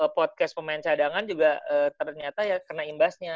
podcast pemain cadangan juga ternyata ya kena imbasnya